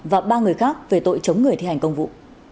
và ba người khác về tội chống người thi hành công vụ